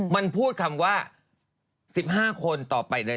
มันพูดคำว่า๑๕คนต่อไปเลย